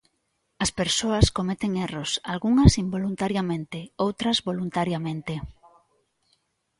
As persoas cometen erros, algunhas involuntariamente, outras voluntariamente.